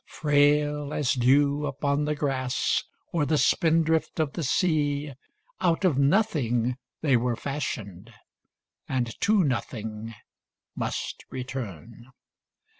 Frail as dew upon the grass Or the spindrift of the sea, Out of nothing they were fashioned And to nothing must return.